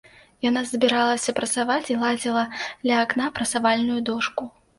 Яна збіралася прасаваць і ладзіла ля акна прасавальную дошку.